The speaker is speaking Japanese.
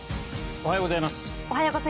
おはようございます。